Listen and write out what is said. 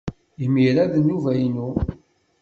Imir-a, d nnuba-inu.